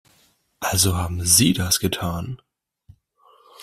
Also haben sie das getan!